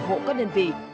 hỗ các đơn vị